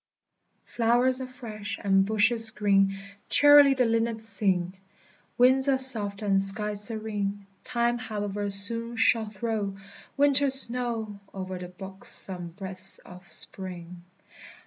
Flowers are fresh, and bushes green, Cheerily the linnets sing; Winds are soft, and skies serene; Time, however, soon shall throw Winter's snow O'er the buxom breast of Spring!